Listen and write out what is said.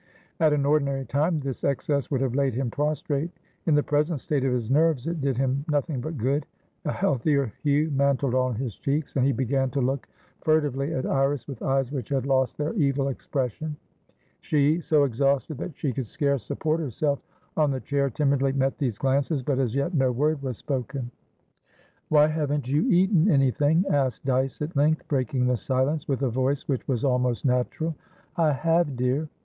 At an ordinary time, this excess would have laid him prostrate; in the present state of his nerves, it did him nothing but good; a healthier hue mantled on his cheeks, and he began to look furtively at Iris with eyes which had lost their evil expression. She, so exhausted that she could scarce support herself on the chair, timidly met these glances, but as yet no word was spoken. "Why haven't you eaten anything?" asked Dyce at length, breaking the silence with a voice which was almost natural. "I have, dear."